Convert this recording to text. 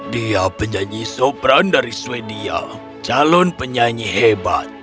dia penyanyi sopran dari sweden calon penyanyi hebat